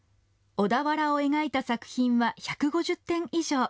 小田原を描いた作品は１５０点以上。